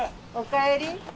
おかえり。